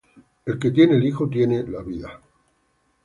El que tiene al Hijo, tiene al vida: